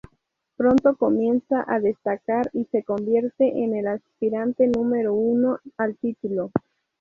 Pronto comienza a destacar y se convierte en el aspirante número uno al título.